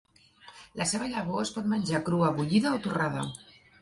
La seva llavor es pot menjar crua, bullida o torrada.